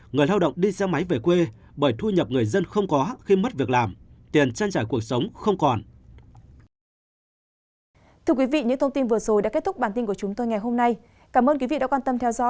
người lao động đi xe máy về quê bởi thu nhập người dân không có khi mất việc làm tiền chăn trải cuộc sống không còn